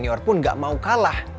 paling senior pun nggak mau kalah